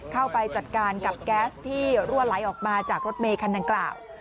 เข้าไปจัดการกับแก๊สที่รั่วไหลออกมาจากรถเมคันดังกล่าว